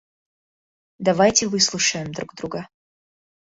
Давайте выслушаем друг друга.